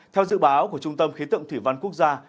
theo dự báo của trung tâm khí tượng thủy văn quốc gia